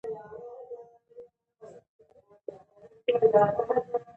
د مرګ په خوب به چېرته ویده یم